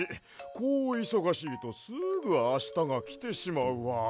こういそがしいとすぐあしたがきてしまうわ。